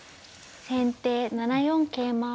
先手７四桂馬。